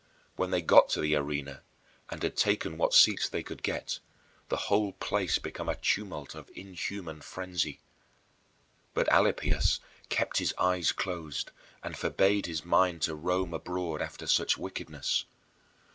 When they got to the arena, and had taken what seats they could get, the whole place became a tumult of inhuman frenzy. But Alypius kept his eyes closed and forbade his mind to roam abroad after such wickedness.